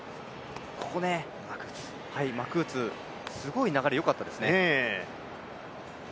マクーツ、すごい流れよかったですね。